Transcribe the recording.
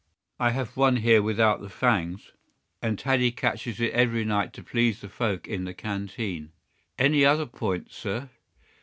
I have one here without the fangs, and Teddy catches it every night to please the folk in the canteen. "Any other point, sir?"